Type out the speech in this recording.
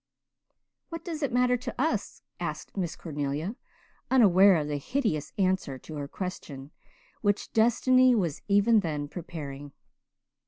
"What does it matter to us?" asked Miss Cornelia, unaware of the hideous answer to her question which destiny was even then preparing.